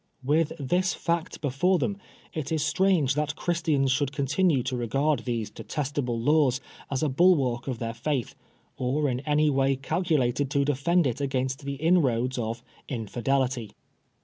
With this fact before them, it is strange that Christians should continue to regard these detestable laws as a bulwark of their faith, or in any way calculated to defend it agaiitst the inroads of « infidelity."